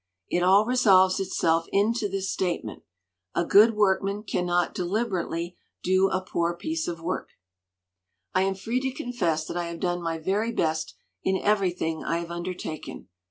It all resolves itself into this statement a good workman cannot deliberately do a poor piece of work. " 161 LITERATURE IN THE MAKING "I am free to confess that I have done my very best in everything I have undertaken.